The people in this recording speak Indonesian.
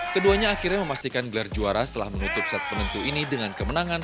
keduanya akhirnya memastikan gelar juara setelah menutup set penentu ini dengan kemenangan satu